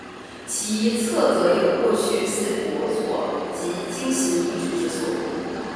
其侧则有过去四佛坐及经行遗迹之所。